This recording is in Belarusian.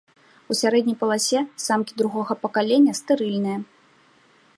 У сярэдняй паласе самкі другога пакалення стэрыльныя.